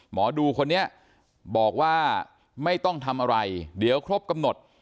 หมอดูคนนี้บอกว่าไม่ต้องทำอะไรเดี๋ยวครบกำหนด